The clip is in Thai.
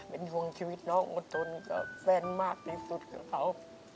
เป็นห่วงชีวิตน้องอดทนกับแฟนมากที่สุดกับเขา